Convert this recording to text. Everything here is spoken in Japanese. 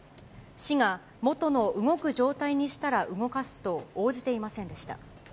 市が元の動く状態にしたら動かすと応じていませんでした。